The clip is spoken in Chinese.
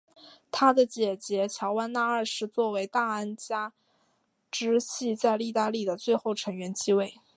他的姐姐乔万娜二世作为大安茹支系在意大利的最后成员继位。